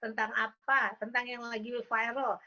tentang apa tentang yang lagi viral